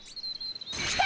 来た！